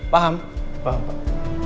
paham paham pak